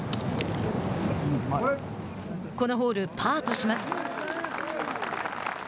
このホール、パーとします。